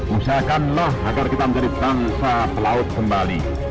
usahakanlah agar kita menjadi bangsa pelaut kembali